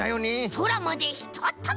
そらまでひとっとび！